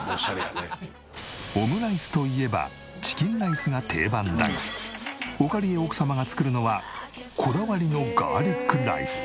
オムライスといえばチキンライスが定番だがおかりえ奥様が作るのはこだわりのガーリックライス。